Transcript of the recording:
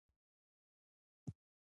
د هغه تر پرېښودلو آسان دی پوه شوې!.